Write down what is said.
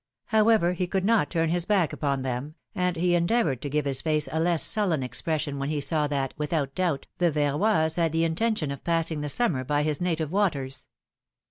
However, he could not turn liis back upon them, and he endeavored to give his face a less sullen expression when he saw that, without doubt, the Verroys had the intention of passing the summer by his native waters.